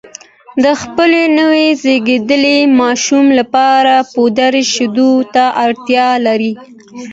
د خپل نوي زېږېدلي ماشوم لپاره پوډري شیدو ته اړتیا لري